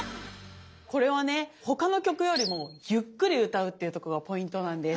これはね他の曲よりもゆっくり歌うっていうとこがポイントなんです。